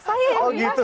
saya yang pinter masak